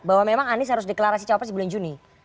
bahwa memang anies harus deklarasi cawapres di bulan juni